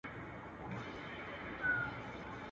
پر نغمو پر زمزمو چپاو راغلى.